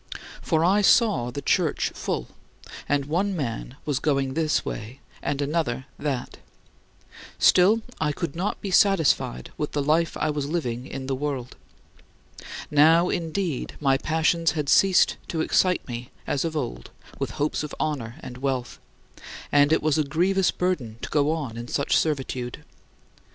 2. For I saw the Church full; and one man was going this way and another that. Still, I could not be satisfied with the life I was living in the world. Now, indeed, my passions had ceased to excite me as of old with hopes of honor and wealth, and it was a grievous burden to go on in such servitude.